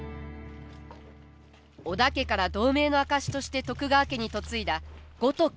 織田家から同盟の証しとして徳川家に嫁いだ五徳。